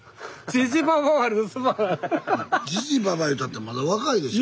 ジジババ言うたってまだ若いでしょ。